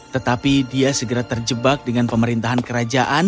tetapi dia segera terjebak dengan pemerintahan kerajaan